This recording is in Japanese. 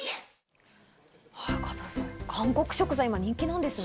加藤さん、韓国食材、今人気なんですね。